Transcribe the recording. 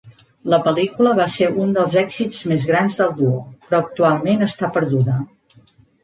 La pel·lícula va ser un dels èxits més grans del duo, però actualment està perduda.